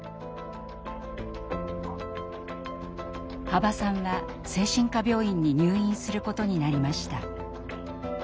羽馬さんは精神科病院に入院することになりました。